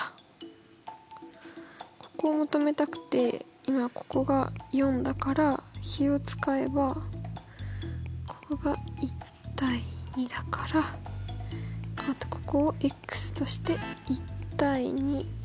ここを求めたくて今ここが４だから比を使えばここが１：２だからここをとして１：２。